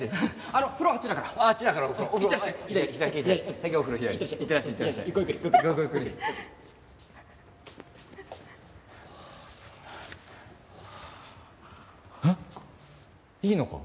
あっいいのか？